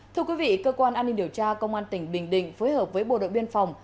thưa quý vị cơ quan an ninh điều tra công an tỉnh bình định phối hợp với bộ đội biên phòng